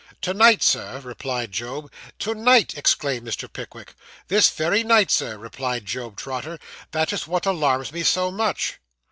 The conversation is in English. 'To night, Sir,' replied Job. 'To night!' exclaimed Mr. Pickwick. 'This very night, sir,' replied Job Trotter. 'That is what alarms me so much.